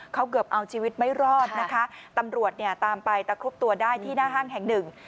เขาเกือบเอาชีวิตไม่รอดนะคะตำรวจเนี่ยตามไปตะครุบตัวได้ที่หน้าห้างแห่งหนึ่ง